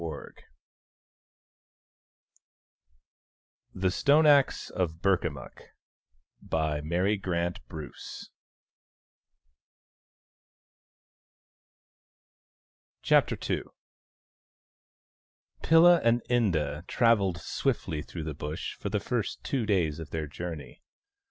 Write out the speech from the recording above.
24 THE STONE AXE OF BURKAMUKK Chapter II PiLLA and Inda travelled swiftly through the Bush for the first two days of their journey.